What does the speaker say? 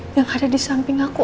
yang ada di samping aku